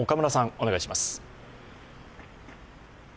お願いします。